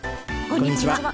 こんにちは。